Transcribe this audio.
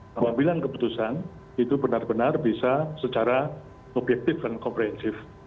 pengambilan keputusan itu benar benar bisa secara objektif dan komprehensif